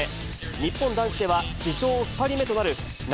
日本男子では史上２人目となる夏